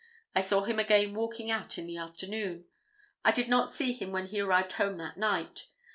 I saw him again walking out in the afternoon. I did not see him when he arrived home that night.